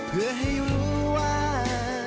เพื่อให้รู้ว่า